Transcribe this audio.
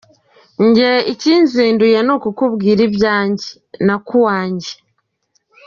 Jyewe ikinzinduye ni ukukubwira ibyanjye na ko uwanjye.